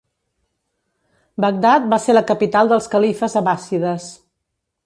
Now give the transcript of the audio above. Bagdad va ser la capital dels califes abbàssides.